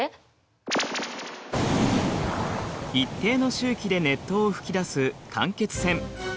一定の周期で熱湯を噴き出す間欠泉。